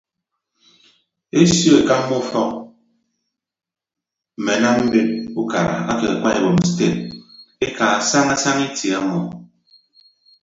Esio ekamba ufọk mme anam mbet ukara ake akwa ibom sted ekaa saña saña itie ọmọ.